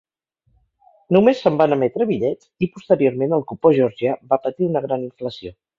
Només se'n van emetre bitllets i posteriorment el cupó georgià va patir una gran inflació.